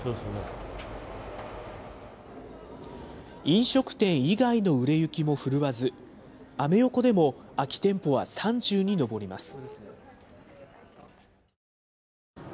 飲食店以外の売れ行きも振るわず、アメ横でも空き店舗は３０に上ります。